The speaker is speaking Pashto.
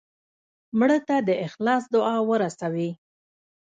مړه ته د اخلاص دعا ورسوې